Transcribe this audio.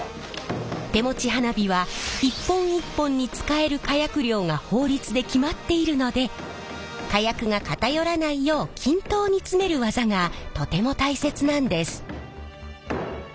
手持ち花火は一本一本に使える火薬量が法律で決まっているので火薬が偏らないよう均等に詰める技がとても大切なんです。